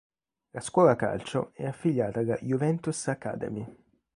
La scuola calcio è affiliata alla "Juventus Academy".